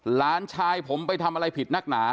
หลานชายผมไปทำอะไรผิดนักหนา